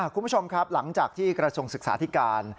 คุณผู้ชมครับหลังจากที่กระทรวงศึกษาธิการ